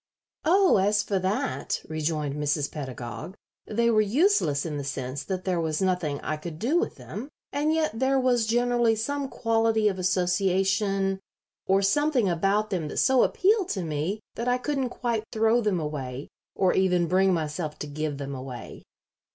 "Oh, as for that," rejoined Mrs. Pedagog, "they were useless in the sense that there was nothing I could do with them, and yet there was generally some quality of association or something about them that so appealed to me that I couldn't quite throw them away, or even bring myself to give them away."